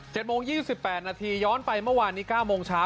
โมงยี่สิบแปดนาทีย้อนไปเมื่อวานนี้เก้าโมงเช้า